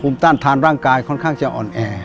ต้านทานร่างกายค่อนข้างจะอ่อนแอ